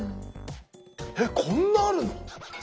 えっこんなあるの⁉すごい。